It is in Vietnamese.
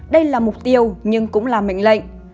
đây là mục tiêu nhưng cũng là mệnh lệnh